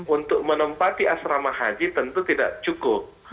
untuk menempati asrama haji tentu tidak cukup